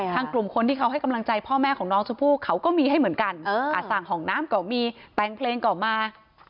กลุ่มคนที่เขาให้กำลังใจพ่อแม่ของน้องชมพู่เขาก็มีให้เหมือนกันสั่งห้องน้ำก็มีแต่งเพลงเก่ามา